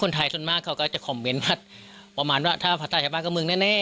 คนไทยส่วนมากเขาก็จะคอมเมนต์มาประมาณว่าถ้าภาษาชาติภาคเมืองแน่แน่